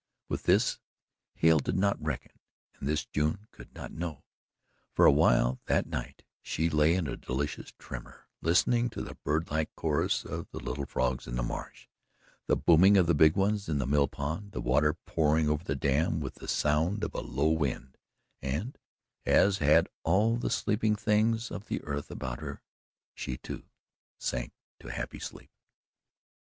With this Hale did not reckon, and this June could not know. For a while, that night, she lay in a delicious tremor, listening to the bird like chorus of the little frogs in the marsh, the booming of the big ones in the mill pond, the water pouring over the dam with the sound of a low wind, and, as had all the sleeping things of the earth about her, she, too, sank to happy sleep.